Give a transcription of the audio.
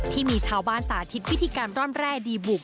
ที่มีชาวบ้านสาธิตวิธีการร่อนแร่ดีบุก